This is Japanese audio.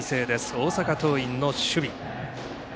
大阪桐蔭の守備。